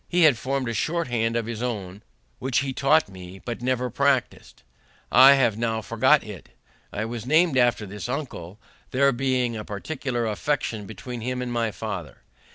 He had formed a short hand of his own, which he taught me, but, never practising it, I have now forgot it. I was named after this uncle, there being a particular affection between him and my father.